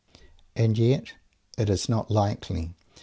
And yet it is not likely!